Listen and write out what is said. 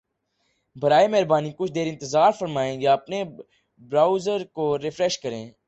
براہ مہربانی کچھ دیر انتظار فرمائیں یا اپنے براؤزر کو ریفریش کریں